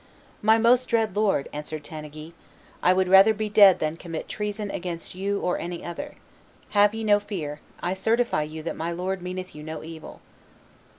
"My most dread lord," answered Tanneguy, "I would rather be dead than commit treason against you or any other: have ye no fear; I certify you that my lord meaneth you no evil."